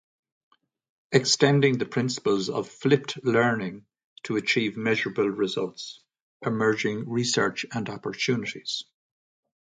Extending the Principles of Flipped Learning to Achieve Measurable Results: Emerging Research and Opportunities.